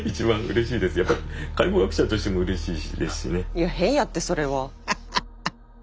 いや変やってそれは。ハハハ！